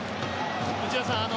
内田さん